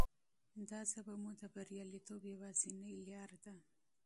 دا ژبه مو د بریالیتوب یوازینۍ لاره ده.